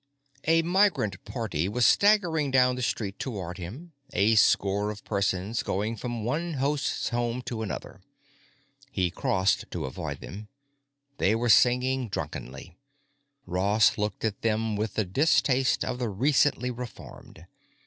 A migrant party was staggering down the street toward him, a score of persons going from one host's home to another. He crossed to avoid them. They were singing drunkenly. Ross looked at them with the distaste of the recently reformed.